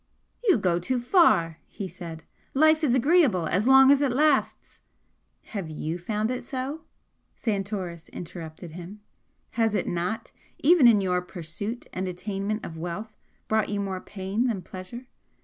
"You go too far!" he said "Life is agreeable as long as it lasts " "Have you found it so?" Santoris interrupted him. "Has it not, even in your pursuit and attainment of wealth, brought you more pain than pleasure?